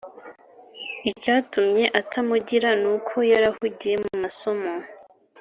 icyatumye atamugira nuko yarahugiye mu masomo